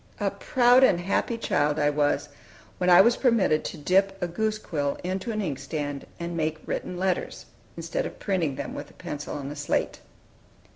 A proud and happy child I was, when I was permitted to dip a goose quill into an inkstand, and make written letters, instead of printing them with a pencil on a slate.